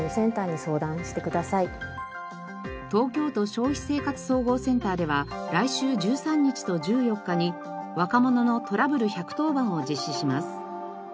東京都消費生活総合センターでは来週１３日と１４日に若者のトラブル１１０番を実施します。